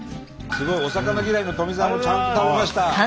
すごい！お魚嫌いの富澤もちゃんと食べました。